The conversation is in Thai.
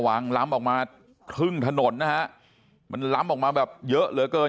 ล้ำออกมาครึ่งถนนนะฮะมันล้ำออกมาแบบเยอะเหลือเกิน